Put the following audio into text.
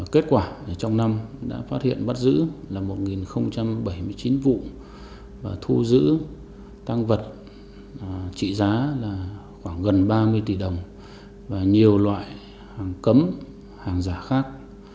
kết quả trong năm đã phát hiện bắt giữ là một bảy mươi chín vụ và thu giữ tăng vật trị giá là khoảng gần ba mươi tỷ đồng và nhiều loại hàng cấm hàng giả khác